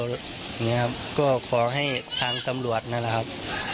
อย่างนี้ครับก็ขอให้ทางตำรวจฮะครับ